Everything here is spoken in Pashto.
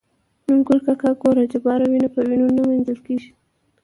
نورګل کاکا :ګوره جباره وينه په وينو نه مينځل کيږي.